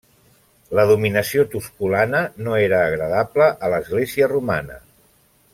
La dominació tusculana no era agradable a l'Església Romana.